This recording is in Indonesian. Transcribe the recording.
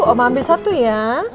oma ambil satu ya